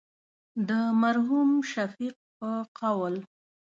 د مرحوم شفیق په قول.